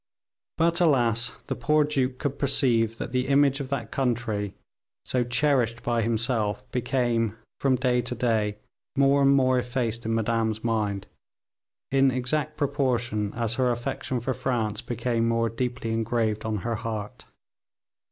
But, alas! the poor duke could perceive that the image of that country so cherished by himself became, from day to day, more and more effaced in Madame's mind, in exact proportion as her affection for France became more deeply engraved on her heart.